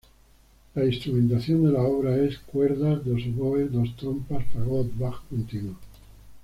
La instrumentación de la obra es: cuerdas, dos oboes, dos trompas, fagot, bajo continuo.